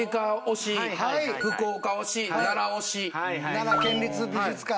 奈良県立美術館。